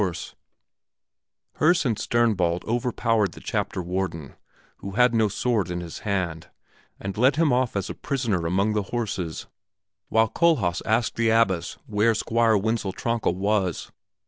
Herse and Sternbald overpowered the chapter warden, who had no sword in his hand, and led him off as a prisoner among the horses, while Kohlhaas asked the abbess where Squire Wenzel Tronka was.